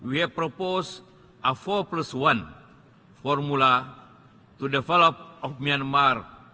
ini adalah formula empat plus satu untuk membangun myanmar